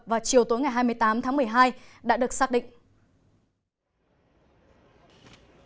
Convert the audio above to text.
vào chiều tối ngày hai mươi tám tháng một mươi hai đã được xác định